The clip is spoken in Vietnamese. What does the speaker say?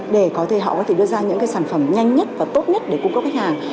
để họ có thể đưa ra những sản phẩm nhanh nhất và tốt nhất để cung cấp khách hàng